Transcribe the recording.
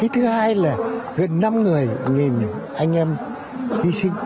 thứ hai là gần năm người nghìn anh em hy sinh